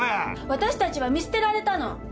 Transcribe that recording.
・私たちは見捨てられたの！